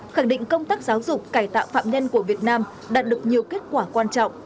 khẳng định công tác giáo dục cải tạo phạm nhân của việt nam đạt được nhiều kết quả quan trọng